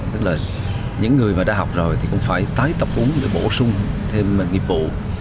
tức là những người mà đã học rồi thì cũng phải tái tập uống để bổ sung thêm nghiệp vụ